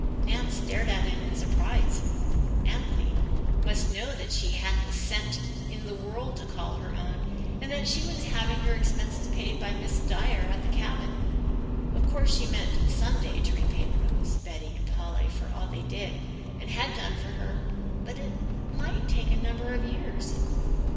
Nan stared at him in surprise. Anthony must know that she hadn't a cent in the world to call her own and that she was having her expenses paid by Miss Dyer at the cabin. Of course she meant some day to repay Rose, Betty and Polly for all they had done for her but it might take a number of years.